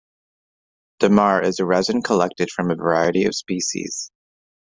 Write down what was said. Dammar is a resin collected from a variety of species.